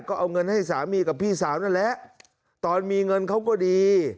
ก็เอาเงินให้สามีกับพี่สาวนั่นแหละตอนมีเงินเขาก็ดี